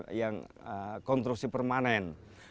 ada tipe yang kontruksi permanen